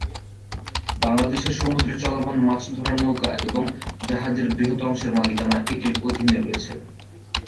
বাংলাদেশের সমুদ্রের চলমান মাছ ধরার নৌকা এবং জাহাজের বৃহৎ অংশের মালিকানা এটির অধীনে রয়েছে।